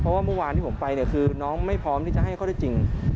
เพราะว่าเมื่อวานที่ผมไปเนี่ยคือน้องไม่พร้อมที่จะให้ข้อได้จริง